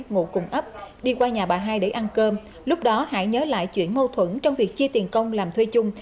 ngụ cùng ấp đi qua nhà bà hai để ăn cơm lúc đó hải nhớ lại chuyện mâu thuẫn trong việc chia tiền công làm thuê chung